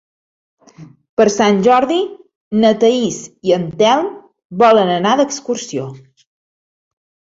Per Sant Jordi na Thaís i en Telm volen anar d'excursió.